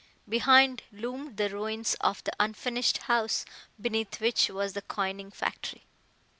Behind loomed the ruins of the unfinished house beneath which was the coining factory.